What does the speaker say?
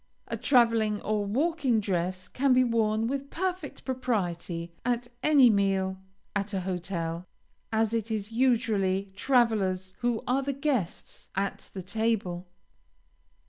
A traveling or walking dress can be worn with perfect propriety, at any meal at a hotel, as it is usually travelers who are the guests at the table.